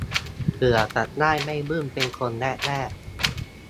เผื่อจะได้ไม่บึ้มเป็นคนแรกแรก